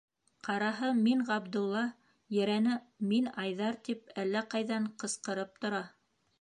Ҡараһы: «Мин Ғабдулла», ерәне: «Мин Айҙар», - тип әллә ҡайҙан ҡысҡырып тора.